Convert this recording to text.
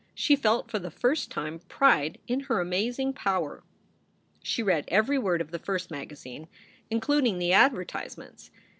She felt for the first time pride in her amazing power. She read every word of the first magazine, including the advertisements.